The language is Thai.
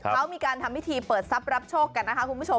เขามีการทำพิธีเปิดทรัพย์รับโชคกันนะคะคุณผู้ชม